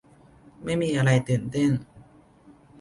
ไม่มีอะไรตื่นเต้น